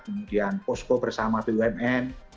kemudian posko bersama bumn